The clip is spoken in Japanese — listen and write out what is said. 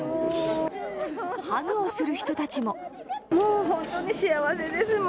ハグをする人たちも。